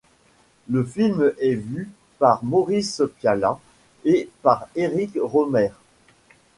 Le film est vu par Maurice Pialat et par Éric Rohmer.